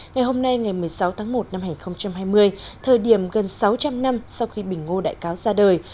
ngày hôm nay ngày một mươi sáu tháng một năm hai nghìn hai mươi thời điểm gần sáu trăm linh năm sau khi bình ngô đại cáo ra đời